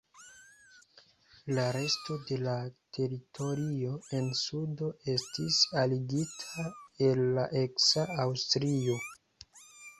La resto de la teritorio en sudo estis aligita al la eksa Aŭstrio.